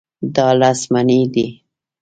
دا لس مڼې دي.